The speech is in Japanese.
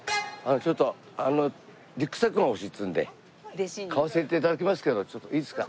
ちょっとリュックサックが欲しいっつうんで買わせて頂きますけどいいですか？